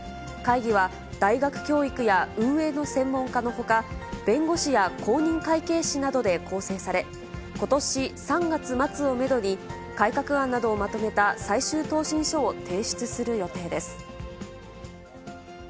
会議は大学教育や運営の専門家のほか、弁護士や公認会計士などで構成され、今年３月末をメドに、改革案などをまとめた最終答申書を提出する予定です。